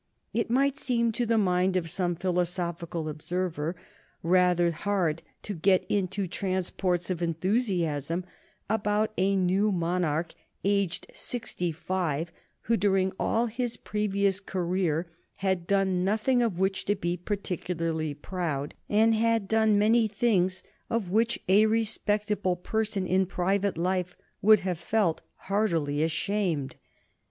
It might seem to the mind of some philosophical observer rather hard to get into transports of enthusiasm about a new monarch aged sixty five who during all his previous career had done nothing of which to be particularly proud, and had done many things of which a respectable person in private life would have felt heartily ashamed.